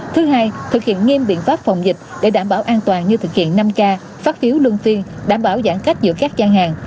thứ hai thực hiện nghiêm biện pháp phòng dịch để đảm bảo an toàn như thực hiện năm k phát phiếu luân phiên đảm bảo giãn cách giữa các gian hàng